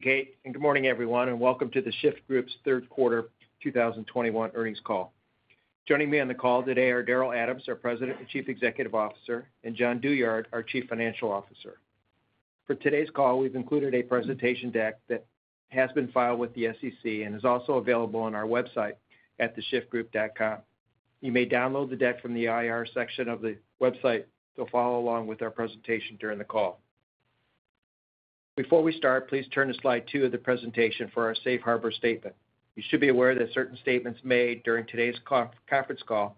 Kate, good morning, everyone, and welcome to The Shyft Group's third quarter 2021 earnings call. Joining me on the call today are Daryl Adams, our President and Chief Executive Officer, and Jon Douyard, our Chief Financial Officer. For today's call, we've included a presentation deck that has been filed with the SEC and is also available on our website at theshyftgroup.com. You may download the deck from the IR section of the website to follow along with our presentation during the call. Before we start, please turn to slide 2 of the presentation for our Safe Harbor Statement. You should be aware that certain statements made during today's conference call,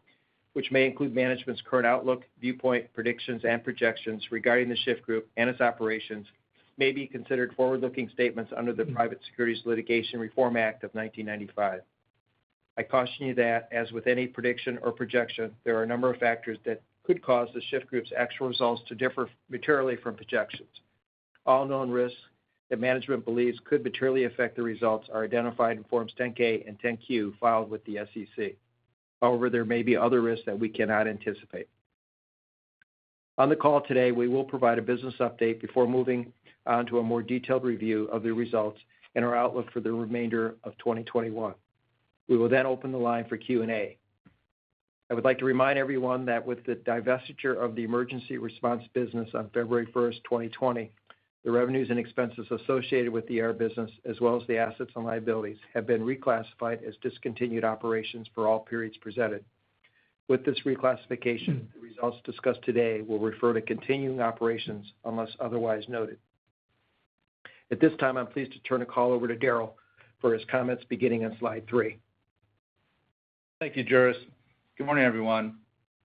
which may include management's current outlook, viewpoint, predictions, and projections regarding The Shyft Group and its operations, may be considered forward-looking statements under the Private Securities Litigation Reform Act of 1995. I caution you that, as with any prediction or projection, there are a number of factors that could cause The Shyft Group's actual results to differ materially from projections. All known risks that management believes could materially affect the results are identified in Forms 10-K and 10-Q filed with the SEC. However, there may be other risks that we cannot anticipate. On the call today, we will provide a business update before moving on to a more detailed review of the results and our outlook for the remainder of 2021. We will then open the line for Q&A. I would like to remind everyone that with the divestiture of the emergency response business on February 1, 2020, the revenues and expenses associated with the ER business, as well as the assets and liabilities, have been reclassified as discontinued operations for all periods presented. With this reclassification, the results discussed today will refer to continuing operations unless otherwise noted. At this time, I'm pleased to turn the call over to Daryl for his comments beginning on slide three. Thank you, Juris. Good morning, everyone.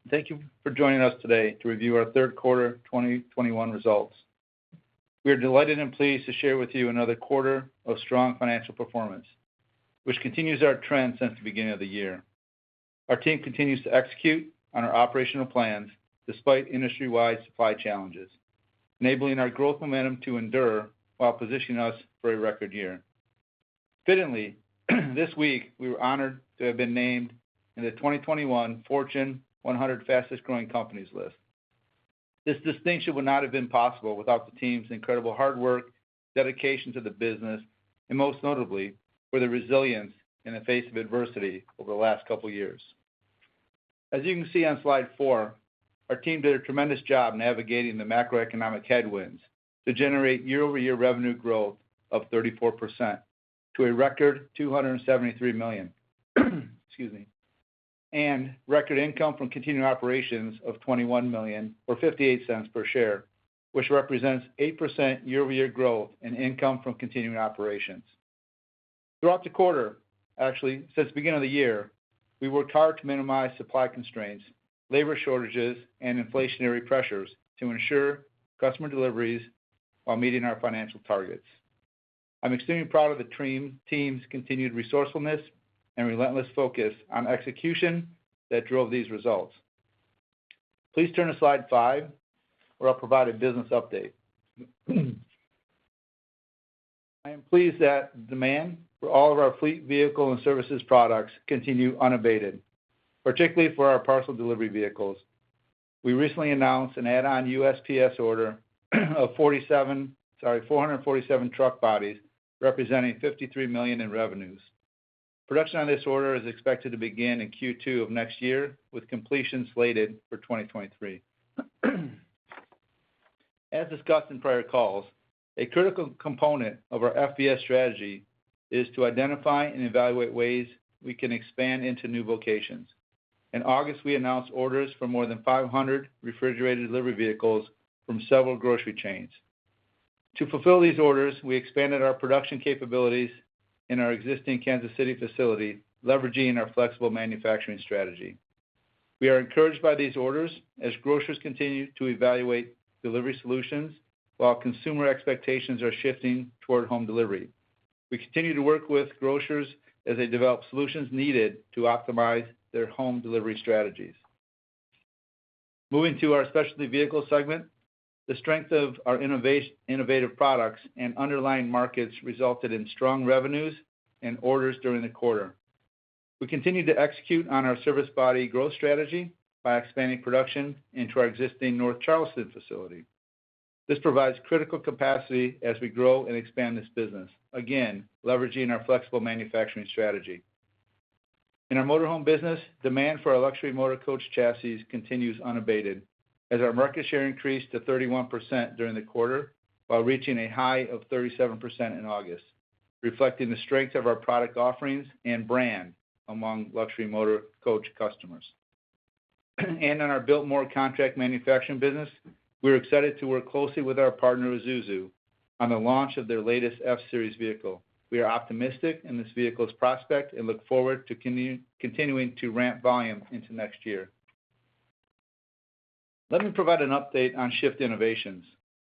Thank you for joining us today to review our third quarter 2021 results. We are delighted and pleased to share with you another quarter of strong financial performance, which continues our trend since the beginning of the year. Our team continues to execute on our operational plans despite industry-wide supply challenges, enabling our growth momentum to endure while positioning us for a record year. Fittingly, this week, we were honored to have been named in the 2021 Fortune 100 Fastest-Growing Companies list. This distinction would not have been possible without the team's incredible hard work, dedication to the business, and most notably, for their resilience in the face of adversity over the last couple years. As you can see on slide 4, our team did a tremendous job navigating the macroeconomic headwinds to generate year-over-year revenue growth of 34% to a record $273 million. Excuse me. Record income from continuing operations of $21 million or $0.58 per share, which represents 8% year-over-year growth in income from continuing operations. Throughout the quarter, actually, since the beginning of the year, we worked hard to minimize supply constraints, labor shortages, and inflationary pressures to ensure customer deliveries while meeting our financial targets. I'm extremely proud of the team's continued resourcefulness and relentless focus on execution that drove these results. Please turn to slide 5, where I'll provide a business update. I am pleased that demand for all of our fleet, vehicle, and services products continue unabated, particularly for our parcel delivery vehicles. We recently announced an add-on USPS order of 447 truck bodies, representing $53 million in revenues. Production on this order is expected to begin in Q2 of next year, with completion slated for 2023. As discussed in prior calls, a critical component of our FVS strategy is to identify and evaluate ways we can expand into new locations. In August, we announced orders for more than 500 refrigerated delivery vehicles from several grocery chains. To fulfill these orders, we expanded our production capabilities in our existing Kansas City facility, leveraging our flexible manufacturing strategy. We are encouraged by these orders as grocers continue to evaluate delivery solutions while consumer expectations are shifting toward home delivery. We continue to work with grocers as they develop solutions needed to optimize their home delivery strategies. Moving to our specialty vehicle segment, the strength of our innovative products and underlying markets resulted in strong revenues and orders during the quarter. We continue to execute on our service body growth strategy by expanding production into our existing North Charleston facility. This provides critical capacity as we grow and expand this business, again, leveraging our flexible manufacturing strategy. In our motor home business, demand for our luxury motor coach chassis continues unabated as our market share increased to 31% during the quarter while reaching a high of 37% in August, reflecting the strength of our product offerings and brand among luxury motor coach customers. In our Biltmore contract manufacturing business, we're excited to work closely with our partner Isuzu on the launch of their latest F-Series vehicle. We are optimistic in this vehicle's prospect and look forward to continuing to ramp volume into next year. Let me provide an update on Shyft Innovations,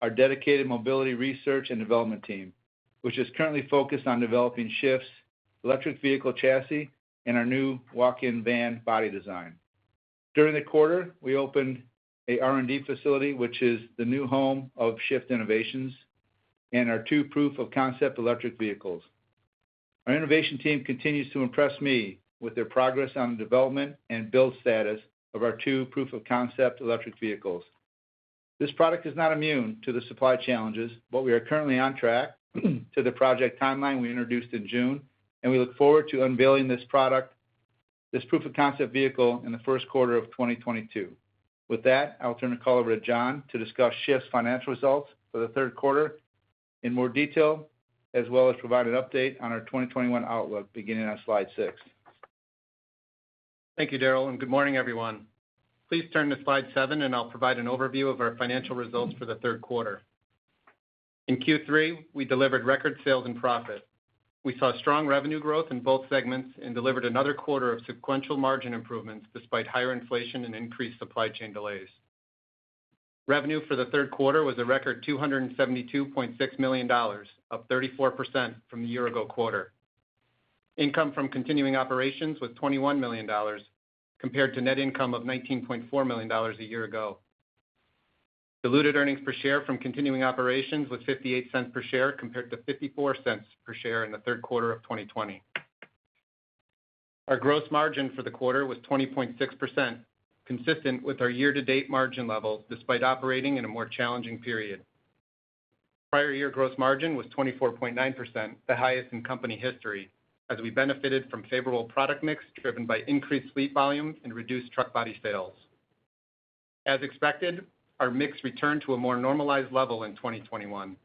our dedicated mobility research and development team, which is currently focused on developing Shyft's electric vehicle chassis and our new walk-in van body design. During the quarter, we opened a R&D facility, which is the new home of Shyft Innovations and our two proof of concept electric vehicles. Our innovation team continues to impress me with their progress on the development and build status of our two proof of concept electric vehicles. This product is not immune to the supply challenges, but we are currently on track to the project timeline we introduced in June, and we look forward to unveiling this product, this proof of concept vehicle in the first quarter of 2022. With that, I'll turn the call over to Jon to discuss Shyft's financial results for the third quarter in more detail, as well as provide an update on our 2021 outlook beginning on slide 6. Thank you, Daryl, and good morning, everyone. Please turn to slide seven, and I'll provide an overview of our financial results for the third quarter. In Q3, we delivered record sales and profit. We saw strong revenue growth in both segments and delivered another quarter of sequential margin improvements despite higher inflation and increased supply chain delays. Revenue for the third quarter was a record $272.6 million, up 34% from the year ago quarter. Income from continuing operations was $21 million compared to net income of $19.4 million a year ago. Diluted earnings per share from continuing operations was $0.58 per share compared to $0.54 per share in the third quarter of 2020. Our gross margin for the quarter was 20.6%, consistent with our year-to-date margin levels despite operating in a more challenging period. Prior year gross margin was 24.9%, the highest in company history, as we benefited from favorable product mix driven by increased fleet volumes and reduced truck body sales. As expected, our mix returned to a more normalized level in 2021.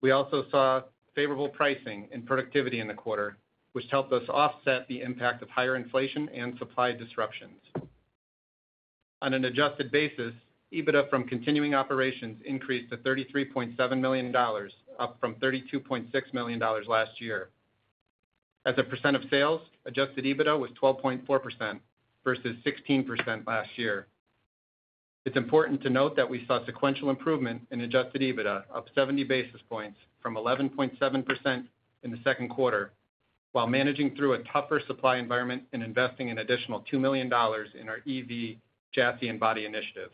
We also saw favorable pricing and productivity in the quarter, which helped us offset the impact of higher inflation and supply disruptions. On an adjusted basis, EBITDA from continuing operations increased to $33.7 million, up from $32.6 million last year. As a percent of sales, adjusted EBITDA was 12.4% versus 16% last year. It's important to note that we saw sequential improvement in adjusted EBITDA up 70 basis points from 11.7% in the second quarter while managing through a tougher supply environment and investing an additional $2 million in our EV chassis and body initiatives.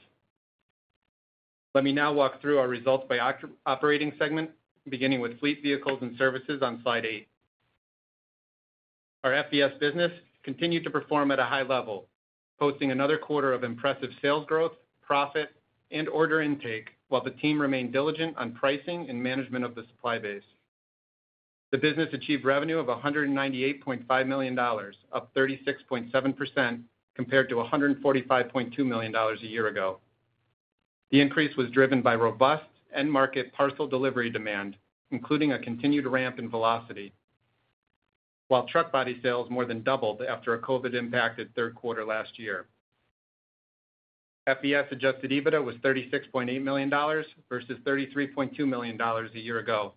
Let me now walk through our results by operating segment, beginning with Fleet Vehicles and Services on slide 8. Our FVS business continued to perform at a high level, posting another quarter of impressive sales growth, profit, and order intake while the team remained diligent on pricing and management of the supply base. The business achieved revenue of $198.5 million, up 36.7% compared to $145.2 million a year ago. The increase was driven by robust end market parcel delivery demand, including a continued ramp in Velocity. While truck body sales more than doubled after a COVID impacted third quarter last year. FVS adjusted EBITDA was $36.8 million versus $33.2 million a year ago.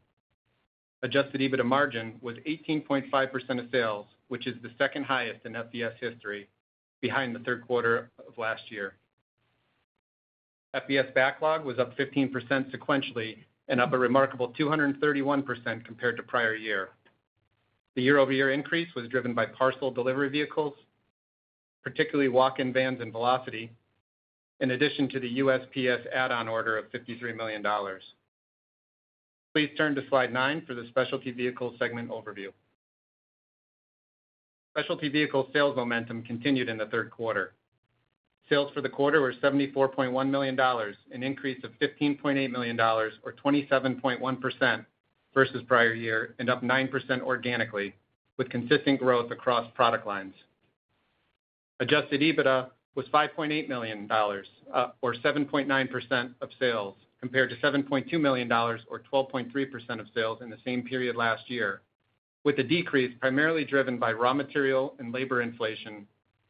Adjusted EBITDA margin was 18.5% of sales, which is the second highest in FVS history behind the third quarter of last year. FVS backlog was up 15% sequentially and up a remarkable 231% compared to prior year. The year-over-year increase was driven by parcel delivery vehicles, particularly walk-in vans and Velocity, in addition to the USPS add-on order of $53 million. Please turn to slide 9 for the specialty vehicle segment overview. Specialty vehicle sales momentum continued in the third quarter. Sales for the quarter were $74.1 million, an increase of $15.8 million, or 27.1% versus prior year and up 9% organically with consistent growth across product lines. Adjusted EBITDA was $5.8 million, or 7.9% of sales, compared to $7.2 million or 12.3% of sales in the same period last year, with the decrease primarily driven by raw material and labor inflation,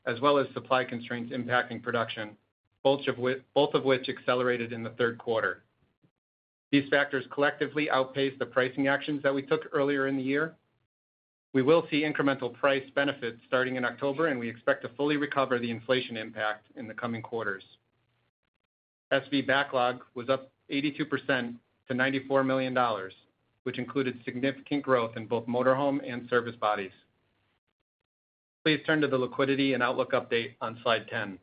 as well as supply constraints impacting production, both of which accelerated in the third quarter. These factors collectively outpaced the pricing actions that we took earlier in the year. We will see incremental price benefits starting in October, and we expect to fully recover the inflation impact in the coming quarters. SV backlog was up 82% to $94 million, which included significant growth in both motor home and service bodies. Please turn to the liquidity and outlook update on slide 10.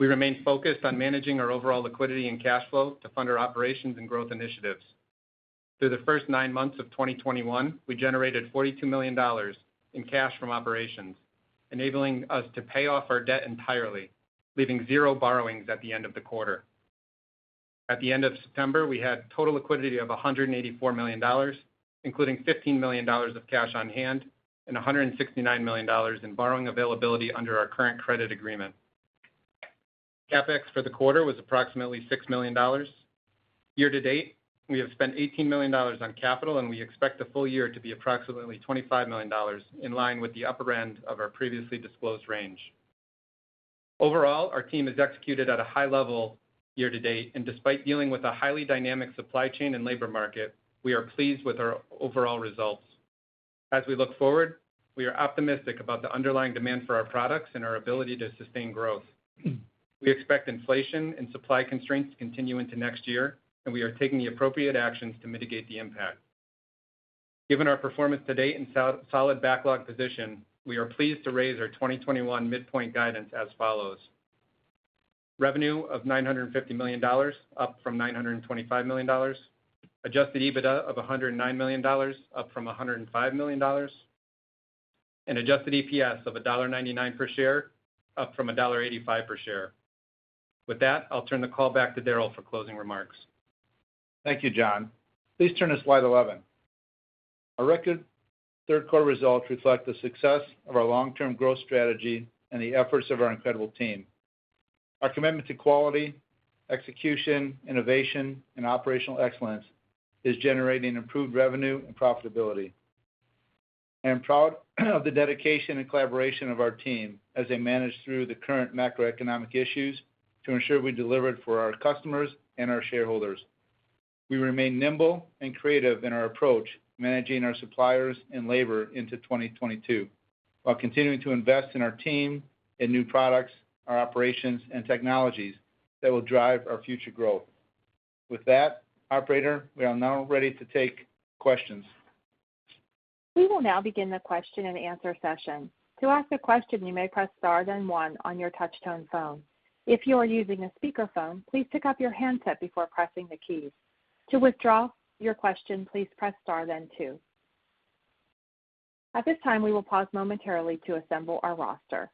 We remain focused on managing our overall liquidity and cash flow to fund our operations and growth initiatives. Through the first nine months of 2021, we generated $42 million in cash from operations, enabling us to pay off our debt entirely, leaving zero borrowings at the end of the quarter. At the end of September, we had total liquidity of $184 million, including $15 million of cash on hand and $169 million in borrowing availability under our current credit agreement. CapEx for the quarter was approximately $6 million. Year to date, we have spent $18 million on capital, and we expect the full year to be approximately $25 million in line with the upper end of our previously disclosed range. Overall, our team has executed at a high level year to date, and despite dealing with a highly dynamic supply chain and labor market, we are pleased with our overall results. As we look forward, we are optimistic about the underlying demand for our products and our ability to sustain growth. We expect inflation and supply constraints to continue into next year, and we are taking the appropriate actions to mitigate the impact. Given our performance to date and solid backlog position, we are pleased to raise our 2021 midpoint guidance as follows. Revenue of $950 million, up from $925 million. Adjusted EBITDA of $109 million, up from $105 million. Adjusted EPS of $1.99 per share, up from $1.85 per share. With that, I'll turn the call back to Daryl for closing remarks. Thank you, Jon. Please turn to slide 11. Our record third quarter results reflect the success of our long-term growth strategy and the efforts of our incredible team. Our commitment to quality, execution, innovation, and operational excellence is generating improved revenue and profitability. I am proud of the dedication and collaboration of our team as they manage through the current macroeconomic issues to ensure we delivered for our customers and our shareholders. We remain nimble and creative in our approach, managing our suppliers and labor into 2022, while continuing to invest in our team and new products, our operations and technologies that will drive our future growth. With that, operator, we are now ready to take questions. We will now begin the question and answer session. To ask a question, you may press star then one on your touch tone phone. If you are using a speakerphone, please pick up your handset before pressing the keys. To withdraw your question, please press star then two. At this time, we will pause momentarily to assemble our roster.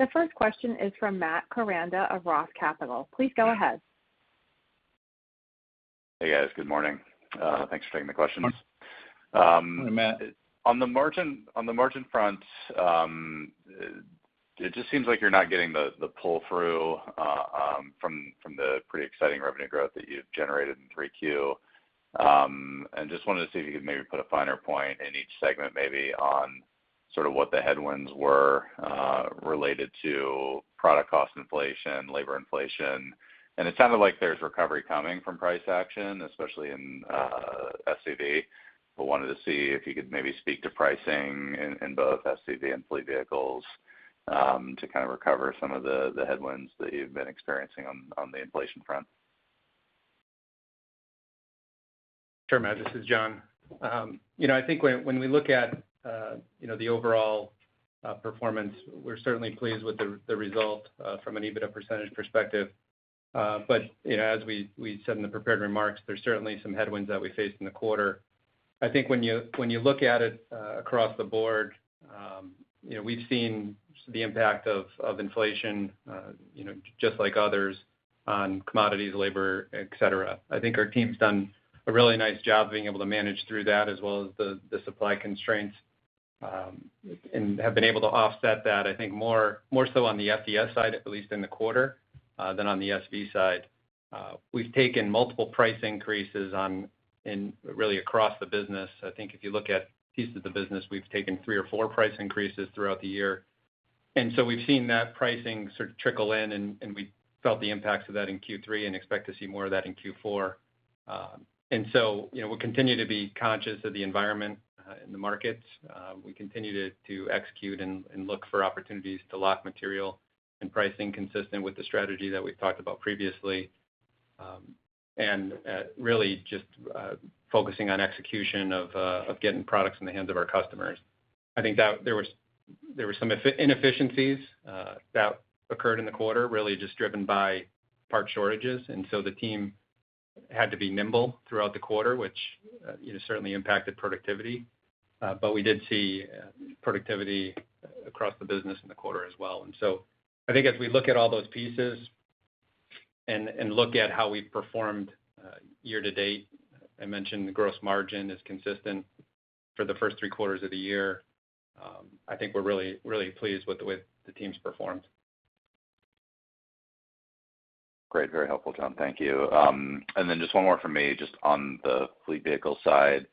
The first question is from Matthew Koranda of ROTH Capital Partners. Please go ahead. Hey, guys. Good morning. Thanks for taking the questions. Good morning, Matt. On the margin front, it just seems like you're not getting the pull-through from the pretty exciting revenue growth that you've generated in 3Q. I just wanted to see if you could maybe put a finer point on each segment, maybe on sort of what the headwinds were related to product cost inflation, labor inflation. It sounded like there's recovery coming from price action, especially in SCV. I wanted to see if you could maybe speak to pricing in both SCV and fleet vehicles to kind of recover some of the headwinds that you've been experiencing on the inflation front. Sure, Matt, this is Jon. You know, I think when we look at you know, the overall performance, we're certainly pleased with the result from an EBITDA percentage perspective. You know, as we said in the prepared remarks, there's certainly some headwinds that we faced in the quarter. I think when you look at it across the board, you know, we've seen the impact of inflation you know, just like others on commodities, labor, et cetera. I think our team's done a really nice job being able to manage through that as well as the supply constraints and have been able to offset that, I think more so on the FVS side, at least in the quarter, than on the SV side. We've taken multiple price increases in really across the business. I think if you look at pieces of the business, we've taken three or four price increases throughout the year. We've seen that pricing sort of trickle in, and we felt the impacts of that in Q3 and expect to see more of that in Q4. You know, we'll continue to be conscious of the environment in the markets. We continue to execute and look for opportunities to lock material and pricing consistent with the strategy that we've talked about previously. Really just focusing on execution of getting products in the hands of our customers. I think that there were some inefficiencies that occurred in the quarter really just driven by part shortages. The team had to be nimble throughout the quarter, which, you know, certainly impacted productivity. We did see productivity across the business in the quarter as well. I think as we look at all those pieces and look at how we performed, year to date, I mentioned the gross margin is consistent for the first three quarters of the year. I think we're really pleased with the way the team's performed. Great. Very helpful, Jon. Thank you. And then just one more from me, just on the fleet vehicle side.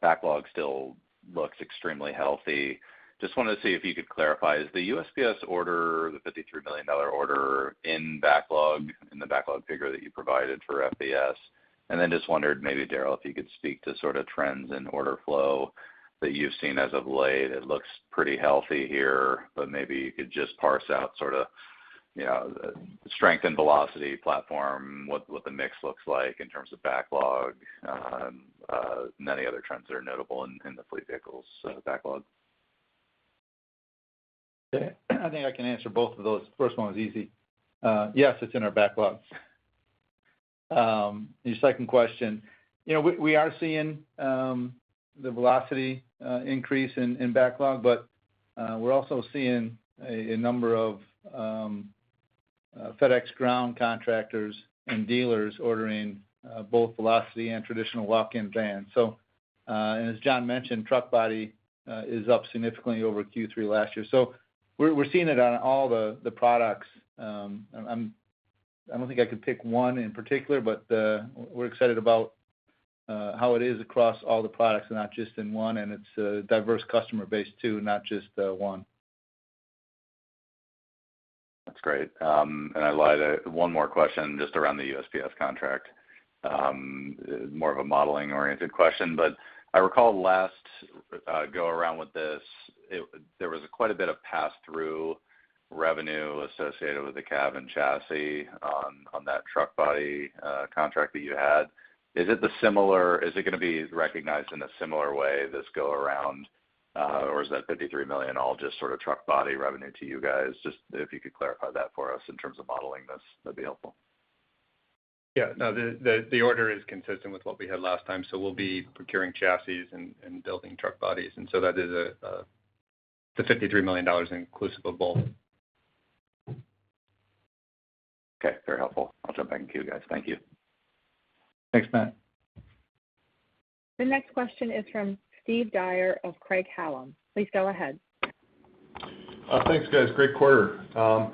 Backlog still looks extremely healthy. Just wanted to see if you could clarify, is the USPS order, the $53 million order in backlog, in the backlog figure that you provided for FVS? And then just wondered maybe, Daryl, if you could speak to sort of trends in order flow that you've seen as of late. It looks pretty healthy here, but maybe you could just parse out sort of, you know, strength and Velocity platform, what the mix looks like in terms of backlog, and any other trends that are notable in the fleet vehicles backlog. Yeah. I think I can answer both of those. First one is easy. Yes, it's in our backlogs. Your second question. You know, we are seeing the Velocity increase in backlog, but we're also seeing a number of FedEx Ground contractors and dealers ordering both Velocity and traditional walk-in vans. As Jon mentioned, truck body is up significantly over Q3 last year. We're seeing it on all the products. I don't think I could pick one in particular, but we're excited about how it is across all the products and not just in one. It's a diverse customer base, too, not just one. That's great. I lied, one more question just around the USPS contract. More of a modeling-oriented question. I recall last go around with this, there was quite a bit of pass-through revenue associated with the cab and chassis on that truck body contract that you had. Is it gonna be recognized in a similar way this go around, or is that $53 million all just sort of truck body revenue to you guys? Just if you could clarify that for us in terms of modeling this, that'd be helpful. Yeah, no, the order is consistent with what we had last time, so we'll be procuring chassis and building truck bodies. That is $53 million inclusive of both. Okay, very helpful. I'll jump back in queue, guys. Thank you. Thanks, Matt. The next question is from Steven Dyer of Craig-Hallum Capital Group. Please go ahead. Thanks, guys. Great quarter. As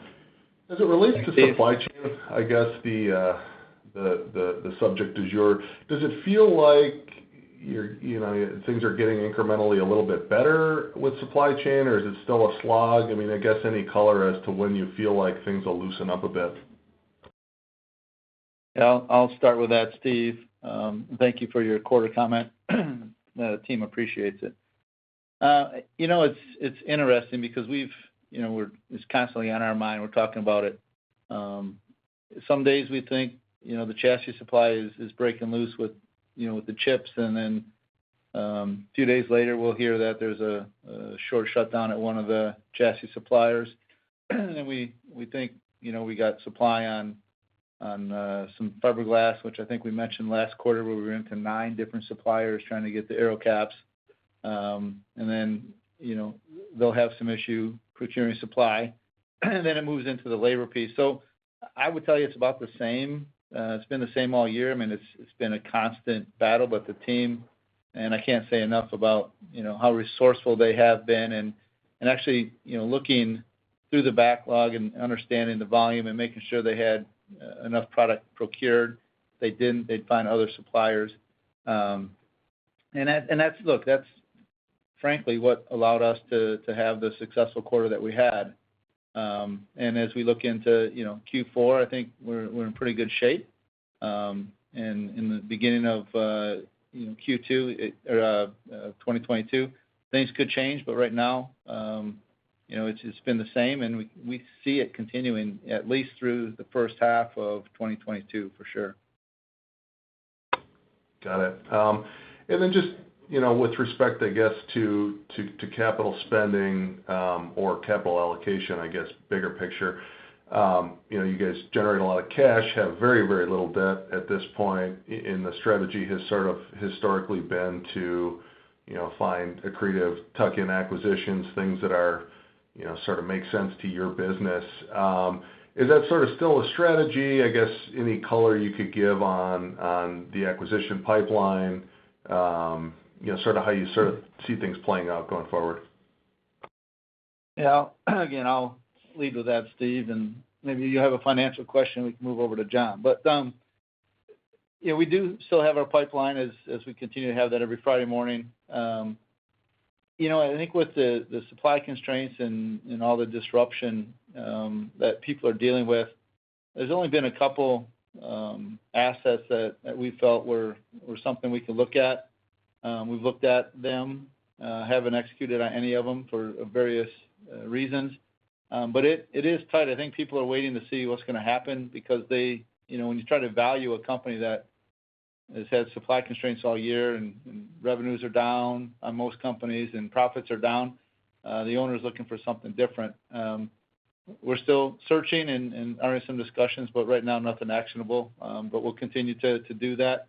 it relates to- Hey, Steven.... supply chain, I guess. Does it feel like you're, you know, things are getting incrementally a little bit better with supply chain, or is it still a slog? I mean, I guess any color as to when you feel like things will loosen up a bit. Yeah, I'll start with that, Steve. Thank you for your quarter comment. The team appreciates it. You know, it's interesting because we've, you know, it's constantly on our mind, we're talking about it. Some days we think, you know, the chassis supply is breaking loose with, you know, with the chips and then, a few days later, we'll hear that there's a short shutdown at one of the chassis suppliers. We think, you know, we got supply on, some fiberglass, which I think we mentioned last quarter, where we went to nine different suppliers trying to get the aero caps. And then, you know, they'll have some issue procuring supply. It moves into the labor piece. So I would tell you it's about the same. It's been the same all year. I mean, it's been a constant battle. The team, and I can't say enough about you know how resourceful they have been and actually you know looking through the backlog and understanding the volume and making sure they had enough product procured. If they didn't, they'd find other suppliers. That's frankly what allowed us to have the successful quarter that we had. As we look into you know Q4, I think we're in pretty good shape. In the beginning of you know Q2 2022, things could change, but right now you know it's been the same, and we see it continuing at least through the first half of 2022 for sure. Got it. Then just, you know, with respect, I guess, to capital spending or capital allocation, I guess, bigger picture. You know, you guys generate a lot of cash, have very, very little debt at this point. The strategy has sort of historically been to, you know, find accretive tuck-in acquisitions, things that are, you know, sort of make sense to your business. Is that sort of still a strategy? I guess, any color you could give on the acquisition pipeline, you know, sort of how you sort of see things playing out going forward. Yeah, I'll lead with that, Steve, and maybe you have a financial question, we can move over to Jon. We do still have our pipeline as we continue to have that every Friday morning. You know, I think with the supply constraints and all the disruption that people are dealing with, there's only been a couple assets that we felt were something we could look at. We've looked at them, haven't executed on any of them for various reasons. It is tight. I think people are waiting to see what's gonna happen because they you know when you try to value a company that has had supply constraints all year and revenues are down on most companies and profits are down, the owner's looking for something different. We're still searching and are in some discussions, but right now nothing actionable. We'll continue to do that.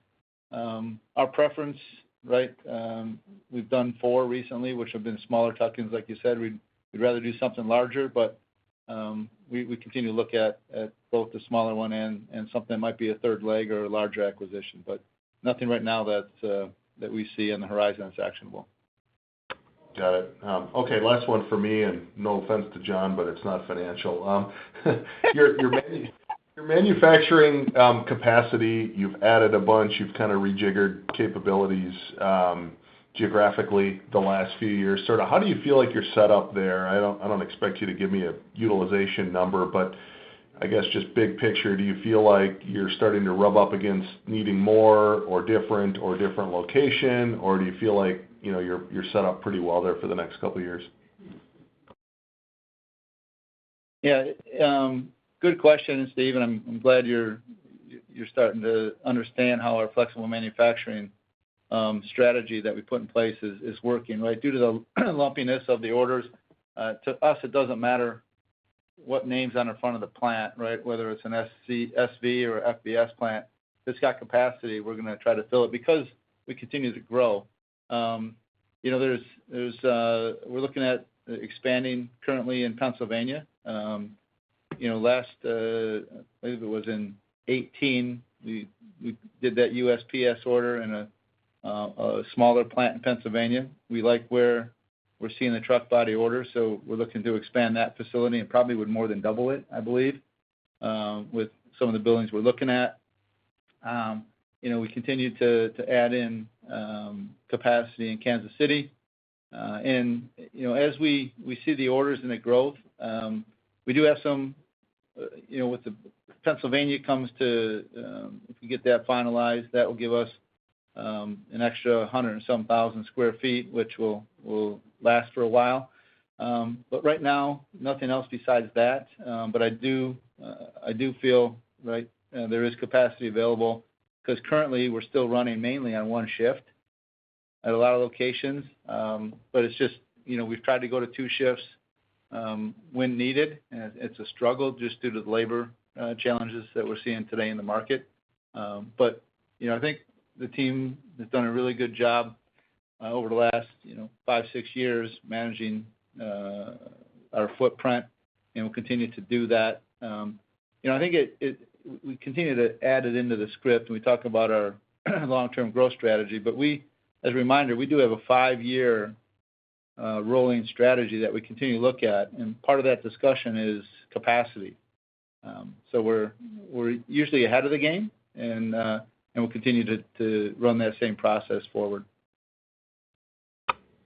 Our preference, right, we've done four recently, which have been smaller tuck-ins. Like you said, we'd rather do something larger, but we continue to look at both the smaller one and something that might be a third leg or a larger acquisition. Nothing right now that we see on the horizon that's actionable. Got it. Okay, last one for me, and no offense to Jon, but it's not financial. Your manufacturing capacity, you've added a bunch, you've kind of rejiggered capabilities geographically the last few years. Sort of how do you feel like you're set up there? I don't expect you to give me a utilization number, but I guess just big picture, do you feel like you're starting to rub up against needing more or different location, or do you feel like, you know, you're set up pretty well there for the next couple of years? Yeah, good question, Steve, and I'm glad you're starting to understand how our flexible manufacturing strategy that we put in place is working, right? Due to the lumpiness of the orders, to us, it doesn't matter what name's on the front of the plant, right? Whether it's an SCV, SV, or FVS plant, if it's got capacity, we're gonna try to fill it because we continue to grow. You know, we're looking at expanding currently in Pennsylvania. You know, last, I believe it was in 2018, we did that USPS order in a smaller plant in Pennsylvania. We like where we're seeing the truck body orders, so we're looking to expand that facility and probably would more than double it, I believe, with some of the buildings we're looking at. You know, we continue to add in capacity in Kansas City. You know, as we see the orders and the growth, we do have some. You know, with the Pennsylvania, if we get that finalized, that will give us an extra 100 and some thousand sq ft, which will last for a while. Right now, nothing else besides that. I do feel like there is capacity available, 'cause currently we're still running mainly on one shift at a lot of locations. It's just, you know, we've tried to go to two shifts when needed. It's a struggle just due to the labor challenges that we're seeing today in the market. You know, I think the team has done a really good job over the last, you know, five, six years managing our footprint, and we'll continue to do that. You know, I think we continue to add it into the script, and we talk about our long-term growth strategy. We, as a reminder, we do have a five-year rolling strategy that we continue to look at, and part of that discussion is capacity. We're usually ahead of the game, and we'll continue to run that same process forward.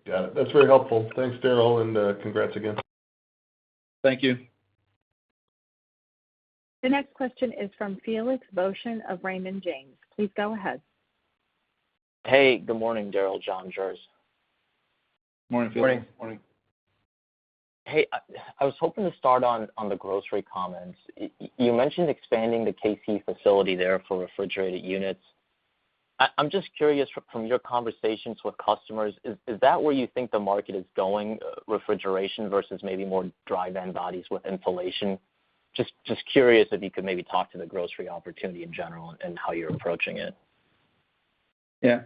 Got it. That's very helpful. Thanks, Darrell, and congrats again. Thank you. The next question is from Felix Boeschen of Raymond James. Please go ahead. Hey, good morning, Darrell, Jon, Juris. Morning, Felix. Morning. Morning. Hey, I was hoping to start on the grocery comments. You mentioned expanding the Kansas City facility there for refrigerated units. I'm just curious from your conversations with customers, is that where you think the market is going, refrigeration versus maybe more dry van bodies with insulation? Just curious if you could maybe talk to the grocery opportunity in general and how you're approaching it. Yeah.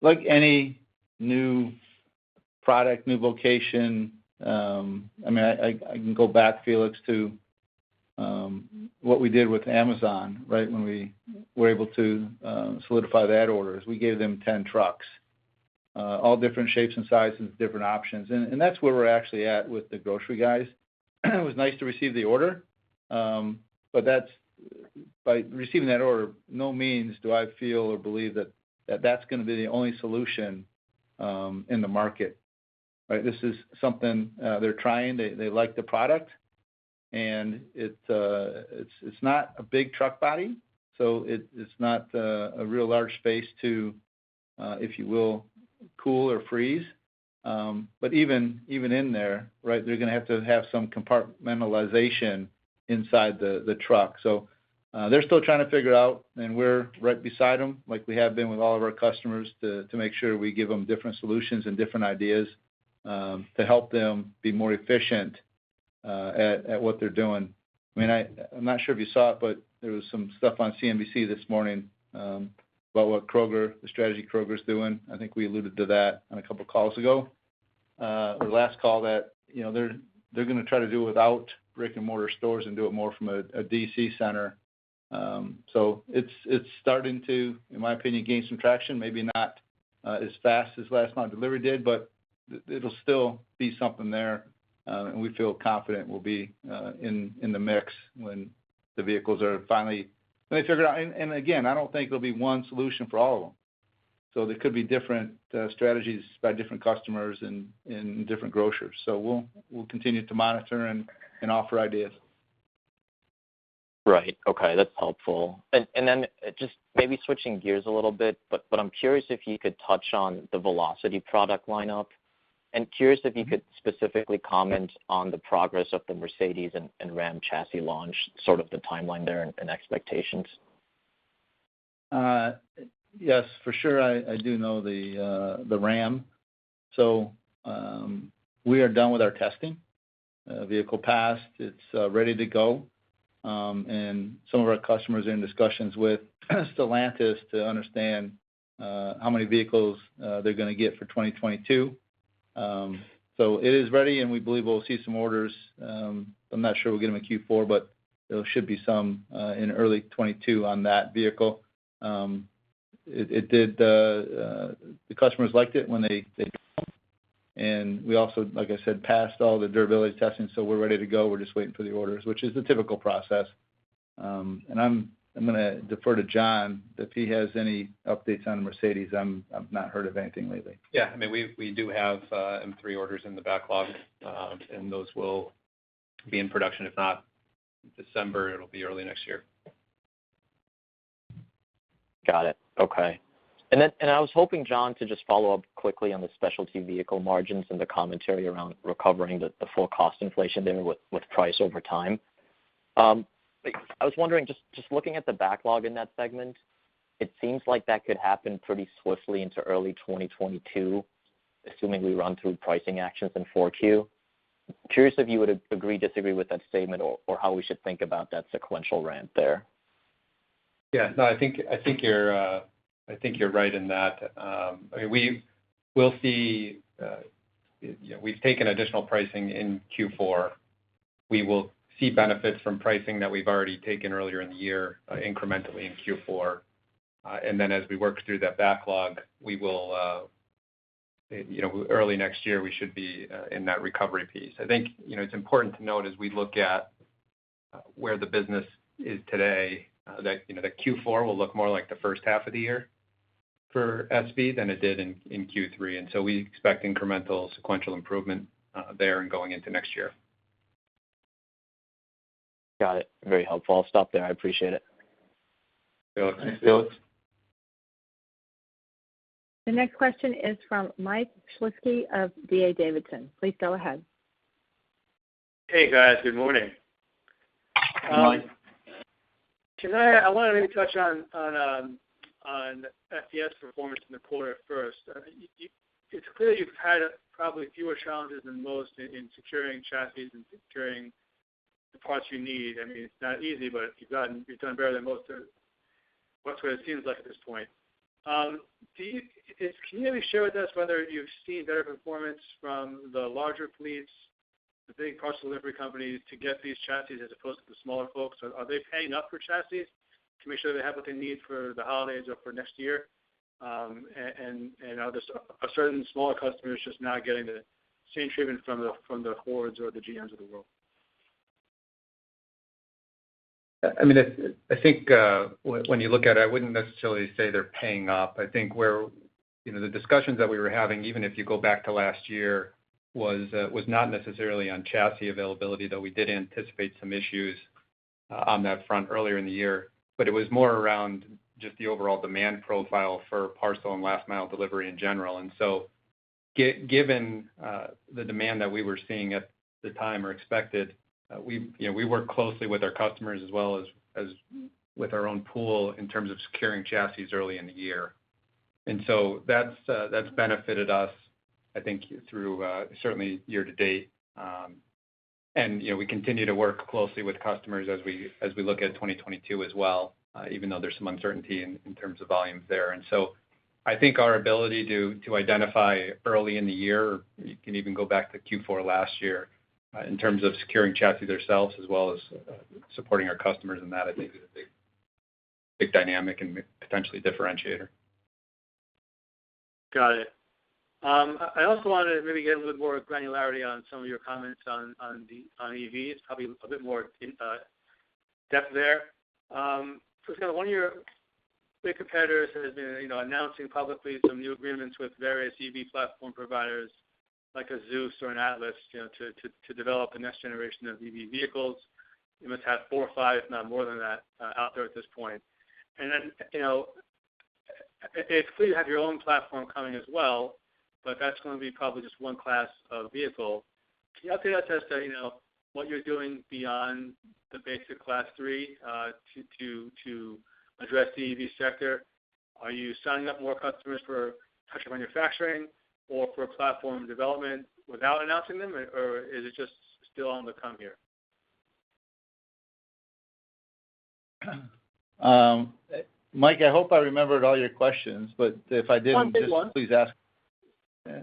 Like any new product, new location, I mean, I can go back, Felix, to what we did with Amazon, right? When we were able to solidify that order, is we gave them 10 trucks, all different shapes and sizes, different options. That's where we're actually at with the grocery guys. It was nice to receive the order, but by receiving that order, by no means do I feel or believe that that's gonna be the only solution in the market. Right? This is something they're trying. They like the product. It's not a big truck body, so it's not a real large space to, if you will, cool or freeze. Even in there, right, they're gonna have to have some compartmentalization inside the truck. They're still trying to figure it out, and we're right beside them, like we have been with all of our customers, to make sure we give them different solutions and different ideas, to help them be more efficient at what they're doing. I mean, I'm not sure if you saw it, but there was some stuff on CNBC this morning about what Kroger, the strategy Kroger's doing. I think we alluded to that on a couple calls ago. The last call that, you know, they're gonna try to do without brick-and-mortar stores and do it more from a DC center. It's starting to, in my opinion, gain some traction. Maybe not as fast as last mile delivery did, but it'll still be something there. We feel confident we'll be in the mix when they figure out. Again, I don't think there'll be one solution for all of them. There could be different strategies by different customers and different grocers. We'll continue to monitor and offer ideas. Right. Okay, that's helpful. Then just maybe switching gears a little bit, but I'm curious if you could touch on the Velocity product lineup. Curious if you could specifically comment on the progress of the Mercedes-Benz and Ram chassis launch, sort of the timeline there and expectations. Yes, for sure. I do know the Ram. We are done with our testing. Vehicle passed. It's ready to go. Some of our customers are in discussions with Stellantis to understand how many vehicles they're gonna get for 2022. It is ready, and we believe we'll see some orders. I'm not sure we'll get them in Q4, but there should be some in early 2022 on that vehicle. The customers liked it. We also, like I said, passed all the durability testing, so we're ready to go. We're just waiting for the orders, which is the typical process. I'm gonna defer to Jon if he has any updates on Mercedes-Benz. I've not heard of anything lately. Yeah. I mean, we do have M3 orders in the backlog, and those will be in production. If not December, it'll be early next year. Got it. Okay. I was hoping, Jon, to just follow up quickly on the specialty vehicle margins and the commentary around recovering the full cost inflation there with price over time. I was wondering, just looking at the backlog in that segment, it seems like that could happen pretty swiftly into early 2022, assuming we run through pricing actions in 4Q. Curious if you would agree, disagree with that statement or how we should think about that sequential ramp there. Yeah. No, I think you're right in that. I mean, we'll see, you know, we've taken additional pricing in Q4. We will see benefits from pricing that we've already taken earlier in the year, incrementally in Q4. As we work through that backlog, we will, you know, early next year, we should be in that recovery piece. I think, you know, it's important to note as we look at Where the business is today, that Q4 will look more like the first half of the year for SV than it did in Q3. We expect incremental sequential improvement there and going into next year. Got it. Very helpful. I'll stop there. I appreciate it. Thanks, Felix. Thanks. The next question is from Michael Shlisky of D.A. Davidson. Please go ahead. Hey, guys. Good morning. Good morning. I wanted maybe touch on FVS performance in the quarter first. It's clear you've had probably fewer challenges than most in securing chassis and securing the parts you need. I mean, it's not easy, but you've done better than most, or what it seems like at this point. Can you maybe share with us whether you've seen better performance from the larger fleets, the big parcel delivery companies to get these chassis as opposed to the smaller folks? Are they paying up for chassis to make sure they have what they need for the holidays or for next year? Are certain smaller customers just not getting the same treatment from the Fords or the GMs of the world? I mean, I think when you look at it, I wouldn't necessarily say they're paying up. I think we're, you know, the discussions that we were having, even if you go back to last year, was not necessarily on chassis availability, though we did anticipate some issues on that front earlier in the year. It was more around just the overall demand profile for parcel and last mile delivery in general. Given the demand that we were seeing at the time or expected, we, you know, we worked closely with our customers as well as with our own pool in terms of securing chassis early in the year. That's benefited us, I think, through certainly year to date. You know, we continue to work closely with customers as we look at 2022 as well, even though there's some uncertainty in terms of volumes there. I think our ability to identify early in the year, you can even go back to Q4 last year, in terms of securing chassis themselves as well as supporting our customers in that is a big dynamic and potentially differentiator. Got it. I also wanted to maybe get a little more granularity on some of your comments on the EVs, probably a bit more in depth there. It's kind of one of your big competitors has been, you know, announcing publicly some new agreements with various EV platform providers like a Xos or an Atlis, you know, to develop the next generation of EV vehicles. You must have four or five, if not more than that, out there at this point. You know, it's clear you have your own platform coming as well, but that's gonna be probably just one class of vehicle. Can you update us as to, you know, what you're doing beyond the basic Class 3 to address the EV sector? Are you signing up more customers for custom manufacturing or for platform development without announcing them, or is it just still on the horizon? Mike, I hope I remembered all your questions, but if I didn't. One big one. Just please ask.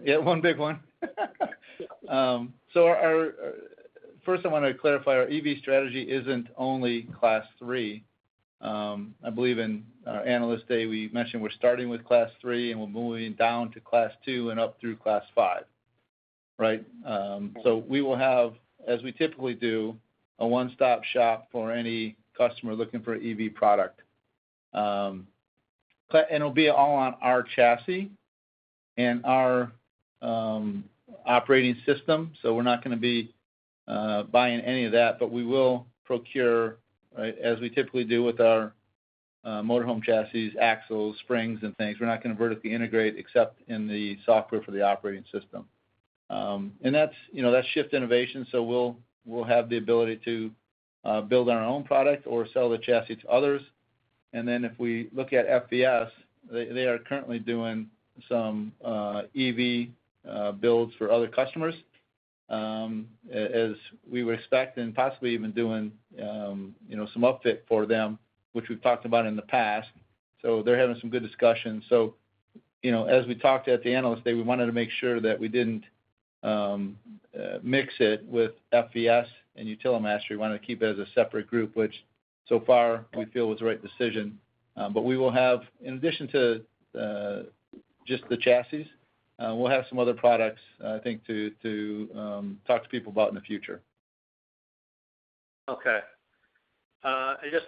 Yeah, one big one. First, I want to clarify, our EV strategy isn't only Class III. I believe in our Analyst Day, we mentioned we're starting with Class III, and we're moving down to Class II and up through Class V, right? We will have, as we typically do, a one-stop shop for any customer looking for an EV product. It'll be all on our chassis and our operating system, so we're not gonna be buying any of that. We will procure, right, as we typically do with our motor home chassis, axles, springs and things. We're not going to vertically integrate except in the software for the operating system. That's, you know, that's Shyft Innovations, so we'll have the ability to build our own product or sell the chassis to others. Then if we look at FVS, they are currently doing some EV builds for other customers, as we would expect, and possibly even doing, you know, some upfit for them, which we've talked about in the past. They're having some good discussions. You know, as we talked at the Analyst Day, we wanted to make sure that we didn't mix it with FVS and Utilimaster. We wanted to keep it as a separate group, which so far we feel was the right decision. We will have in addition to just the chassis, we'll have some other products, I think to talk to people about in the future. Okay. Just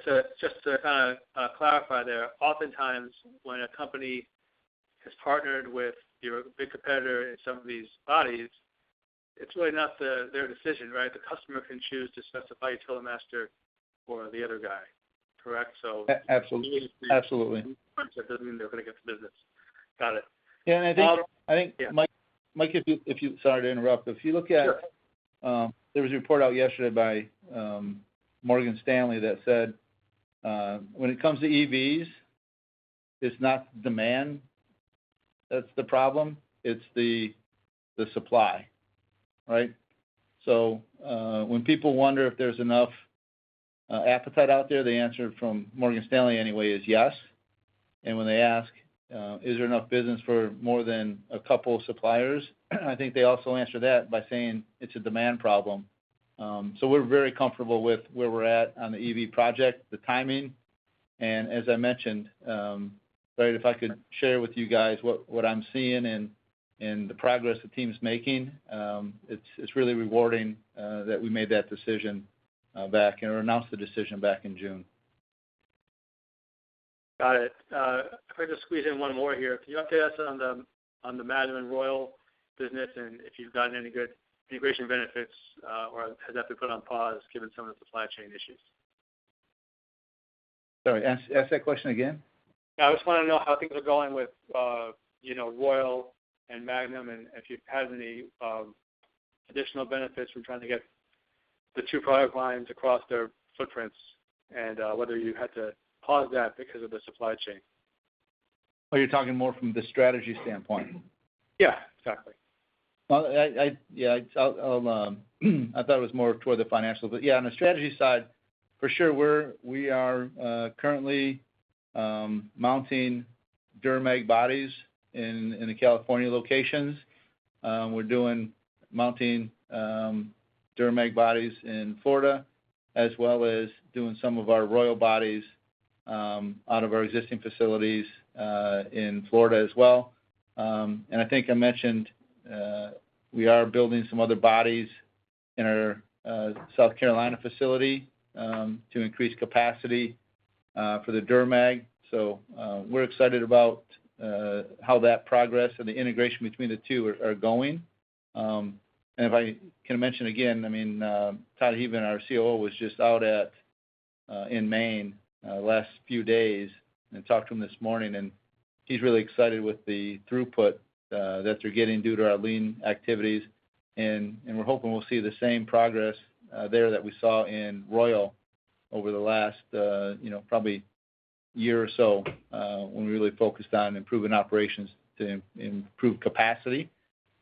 to kind of clarify there, oftentimes when a company has partnered with your big competitor in some of these bodies, it's really not their decision, right? The customer can choose to specify Utilimaster or the other guy, correct? Absolutely. That doesn't mean they're gonna get the business. Got it. Yeah, I think- Follow-up. Yeah. I think, Mike, sorry to interrupt. If you look at- Sure. There was a report out yesterday by Morgan Stanley that said, when it comes to EVs, it's not demand that's the problem, it's the supply, right? So, when people wonder if there's enough appetite out there, the answer from Morgan Stanley anyway is yes. When they ask, "Is there enough business for more than a couple of suppliers?" I think they also answer that by saying, "It's a demand problem." So we're very comfortable with where we're at on the EV project, the timing. As I mentioned, Barry, if I could share with you guys what I'm seeing and the progress the team is making, it's really rewarding that we made that decision back or announced the decision back in June. Got it. If I could just squeeze in one more here. Can you update us on the Royal and Magnum business and if you've gotten any good integration benefits, or has that been put on pause given some of the supply chain issues? Sorry, ask that question again. Yeah, I just wanna know how things are going with, you know, Royal and Magnum and if you've had any additional benefits from trying to get the two product lines across their footprints and whether you had to pause that because of the supply chain? Oh, you're talking more from the strategy standpoint? Yeah, exactly. Yeah, I thought it was more toward the financial, but yeah, on the strategy side, for sure, we are currently mounting DuraMag bodies in the California locations. We're doing mounting DuraMag bodies in Florida, as well as doing some of our Royal bodies out of our existing facilities in Florida as well. I think I mentioned we are building some other bodies in our South Carolina facility to increase capacity for the DuraMag. We're excited about how that progress and the integration between the two are going. If I can mention again, I mean, Todd Heavin, our COO, was just out in Maine last few days and talked to him this morning, and he's really excited with the throughput that they're getting due to our lean activities. We're hoping we'll see the same progress there that we saw in Royal over the last, you know, probably year or so, when we really focused on improving operations to improve capacity.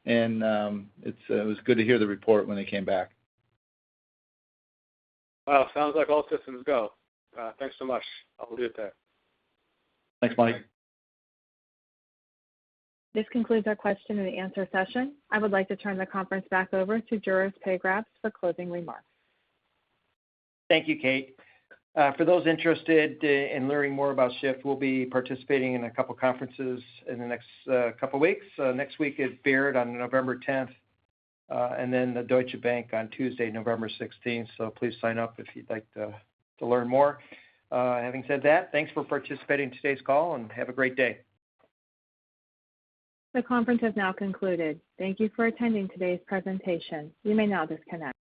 It was good to hear the report when they came back. Well, sounds like all systems go. Thanks so much. I'll leave it there. Thanks, Mike. This concludes our question and answer session. I would like to turn the conference back over to Juris Pagrabs for closing remarks. Thank you, Kate. For those interested in learning more about Shyft, we'll be participating in a couple conferences in the next couple weeks. Next week at Baird on November tenth, and then the Deutsche Bank on Tuesday, November sixteenth. Please sign up if you'd like to learn more. Having said that, thanks for participating in today's call, and have a great day. The conference has now concluded. Thank you for attending today's presentation. You may now disconnect.